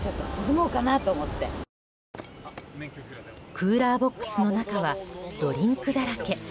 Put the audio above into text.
クーラーボックスの中はドリンクだらけ。